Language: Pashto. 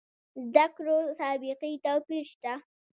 زده کړو سابقې توپیر شته.